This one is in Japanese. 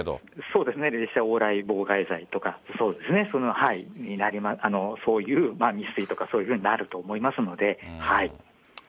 そうですね、列車往来妨害罪とか、そうですね、そういう未遂とかそういうふうになると思いますので。